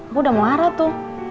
aku udah mau arah tuh